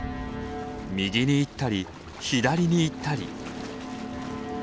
右に行ったり左に行ったり。